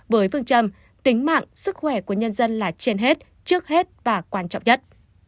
với phương châm tính mạng sức khỏe của nhân dân là trên hết trước hết và quan trọng nhất